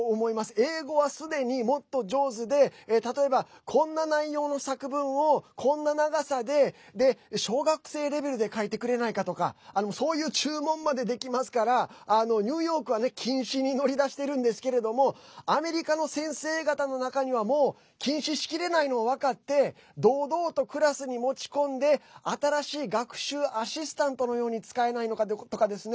英語は、すでにもっと上手で例えば、こんな内容の作文をこんな長さで小学生レベルで書いてくれないかとかそういう注文までできますからニューヨークは禁止に乗り出してるんですけれどもアメリカの先生方の中にはもう禁止しきれないのは分かって堂々とクラスに持ち込んで新しい学習アシスタントのように使えないのかとかとかですね